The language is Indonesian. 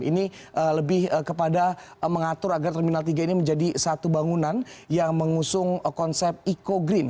ini lebih kepada mengatur agar terminal tiga ini menjadi satu bangunan yang mengusung konsep eco green